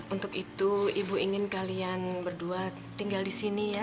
untuk itu ibu ingin kalian berdua tinggal di sini ya